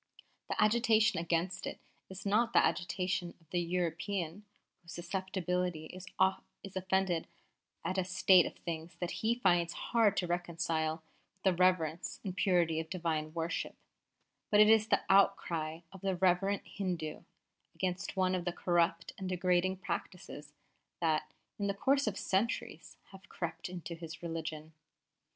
The agitation against it is not the agitation of the European whose susceptibility is offended at a state of things that he finds hard to reconcile with the reverence and purity of Divine worship; but it is the outcry of the reverent Hindu against one of the corrupt and degrading practices that, in the course of centuries, have crept into his religion.